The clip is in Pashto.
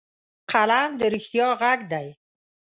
قلم د رښتیا غږ دی